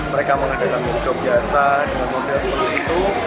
mereka mengadakan workshop biasa dengan model seperti itu